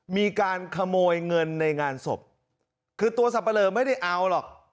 มีการขโมยเงินในงานศพคือตัวสับปะเลอไม่ได้เอาหรอก